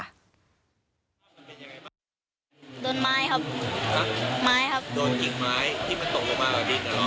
ผมก็หกลงมาทับขาว